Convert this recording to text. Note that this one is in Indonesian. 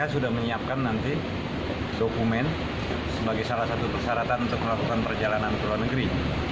sebagai salah satu persyaratan untuk melakukan perjalanan ke luar negeri